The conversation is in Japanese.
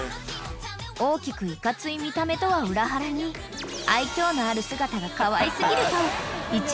［大きくイカつい見た目とは裏腹に愛嬌のある姿がかわい過ぎると］